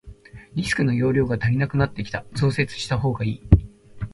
ディスクの容量が足りなくなってきた、増設したほうがいい。